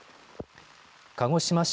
鹿児島市